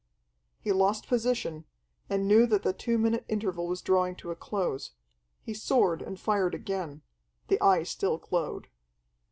He lost position, and knew that the two minute interval was drawing to a close. He soared and fired again. The Eye still glowed.